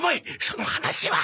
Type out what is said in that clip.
その話は。